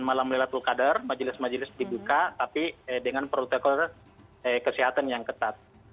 malam lelah tul kader majelis majelis dibuka tapi dengan protokol kesehatan yang ketat